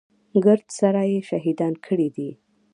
ګرد سره يې شهيدان کړي دي.